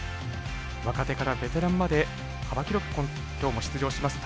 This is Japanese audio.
若手からベテランまで幅広く今日も出場します